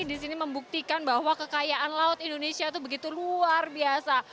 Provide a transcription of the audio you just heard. di sini membuktikan bahwa kekayaan laut indonesia itu begitu luar biasa